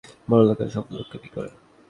বড়লোক আর সফল লোককে বিয়ে করে।